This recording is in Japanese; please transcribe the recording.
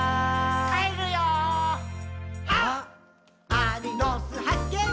アリの巣はっけん